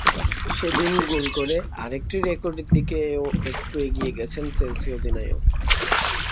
সেদিন গোল করে আরেকটি রেকর্ডের দিকেও একটু এগিয়ে গেছেন চেলসি অধিনায়ক।